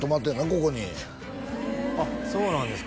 ここにあっそうなんですか